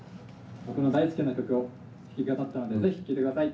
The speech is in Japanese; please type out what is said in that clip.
「僕の大好きな曲を弾き語ったのでぜひ聴いてください」。